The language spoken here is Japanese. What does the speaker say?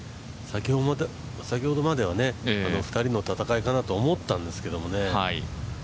先ほどまでは２人の戦いかなと思ったんですけどもね。